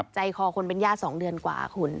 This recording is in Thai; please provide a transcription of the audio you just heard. ใจคอคนเป็นญาติ๒เดือนกว่าคุณ